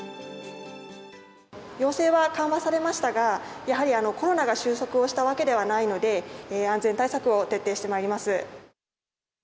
要請は緩和されましたが、やはりコロナが収束をしたわけではないので、安全対策を徹底してまいります。